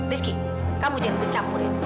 rizky kamu jangan bercampur ya